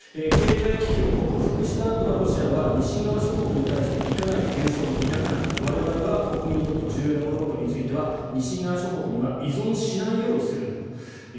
経済危機を克服したあとはロシアは西側諸国に対していかなる幻想も抱かない我々は国民にとって重要なものについては西側諸国には依存しないようにするんだと。